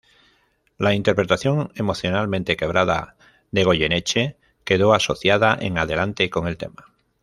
La interpretación emocionalmente quebrada de Goyeneche quedó asociada en adelante con el tema.